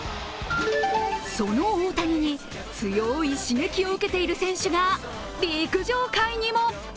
その大谷に強い刺激を受けている選手が陸上界にも。